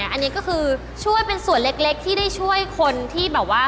อันนี้ก็คือช่วยเป็นส่วนเล็กที่ได้ช่วยคนที่แบบว่า